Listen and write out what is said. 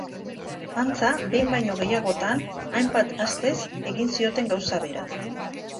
Antza, behin baino gehiagotan, hainbat astez, egin zioten gauza bera.